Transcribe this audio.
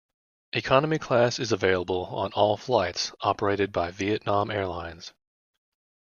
Economy class is available on all flights operated by Vietnam Airlines.